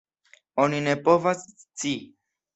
Oni ne povas scii.